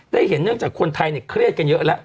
เห็นเนื่องจากคนไทยเนี่ยเครียดกันเยอะแล้ว